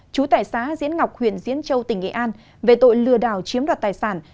chú tài xá diễn ngọc huyện diễn châu tỉnh nghệ an về tội lừa đảo chiếm đoạt tài sản